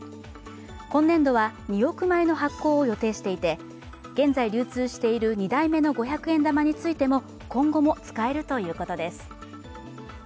今年度は２億枚の発行を予定していて現在流通している２代目の五百円玉についても今後も使えるということです。